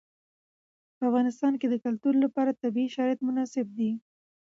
په افغانستان کې د کلتور لپاره طبیعي شرایط مناسب دي.